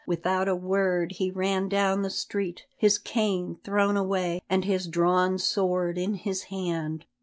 Without a word he ran down the street, his cane thrown away, and his drawn sword in his hand.